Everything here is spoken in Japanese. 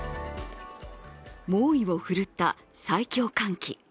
猛威を振るった最強寒気。